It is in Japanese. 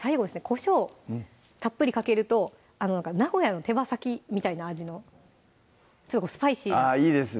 こしょうたっぷりかけると名古屋の手羽先みたいな味のちょっとスパイシーなあっいいですね